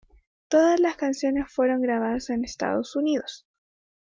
Todas las canciones fueron grabadas en Estados Unidos.